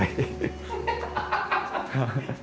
เกลียดกัน